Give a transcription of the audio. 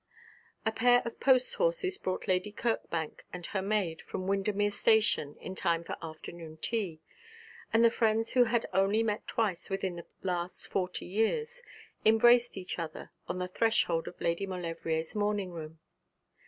A pair of post horses brought Lady Kirkbank and her maid from Windermere station, in time for afternoon tea, and the friends who had only met twice within the last forty years, embraced each other on the threshold of Lady Maulevrier's morning room.